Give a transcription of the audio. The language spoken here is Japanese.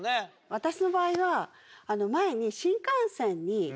私の場合は前に。